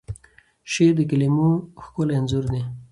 شعر د کلیمو ښکلی انځور دی.